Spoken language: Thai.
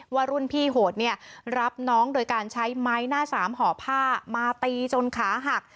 ว่ารุ่นพี่โหดเนี่ยรับน้องโดยการใช้ไม้หน้าสามห่อผ้ามาตีจนขาหัก